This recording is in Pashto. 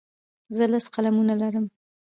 زه لس قلمونه لرم.